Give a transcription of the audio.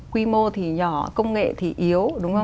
quy mô thì nhỏ công nghệ thì yếu